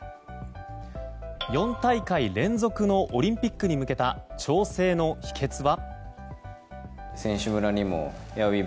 ４大会連続のオリンピックに向けた調整の秘訣は。